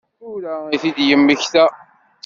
Tura i t-id-yemmekta?